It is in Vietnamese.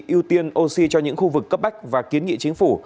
ưu tiên oxy cho những khu vực cấp bách và kiến nghị chính phủ